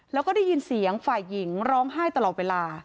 แล้วก็ได้ยินเสียงฝ่ายหญิงร้องไห้ตลอดเวลา